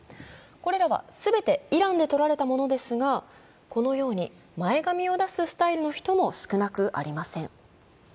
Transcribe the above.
これらは全てイランで撮られたものですが、このように前髪を出すスタイルの人も少なくありません。